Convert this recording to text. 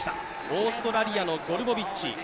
オーストラリアのゴルボビッチ。